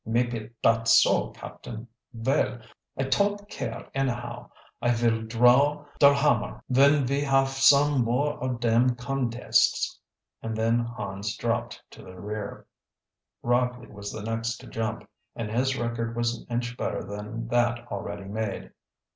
"Maype dot's so, captain. Veil, I ton't care annahow. I vill drow der hammer ven ve haf some more of dem kondests," and then Hans dropped to the rear. Rockley was the next to jump, and his record was an inch better than that already made.